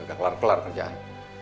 ke kelar kelar kerjaan